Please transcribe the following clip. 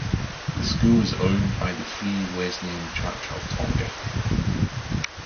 The school is owned by the Free Weslyan Church of Tonga.